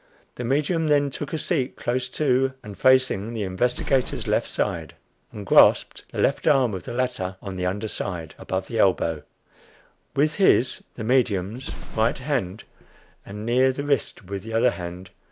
The medium then took a seat close to, and facing the investigator's left side, and grasped the left arm of the latter on the under side, above the elbow, with his (the medium's) right hand and near the wrist with the other hand.